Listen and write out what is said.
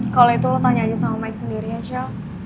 kalo itu lo tanya aja sama mike sendirinya